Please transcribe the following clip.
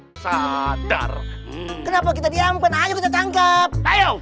hai sadar kenapa kita diamkan ayo kita tangkap ayo